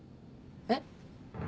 えっ？